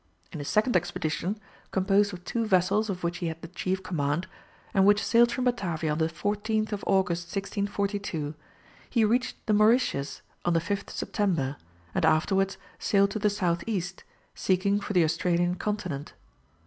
In a second expedition, composed of two vessels of which he had the chief command, and which sailed from Batavia on the 14th of August, 1642, he reached the Mauritius on the 5th September, and afterwards sailed to the south east, seeking for the Australian Continent.